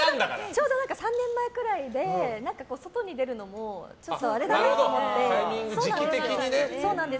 ちょうど３年前くらいで外に出るのもあれだと思って。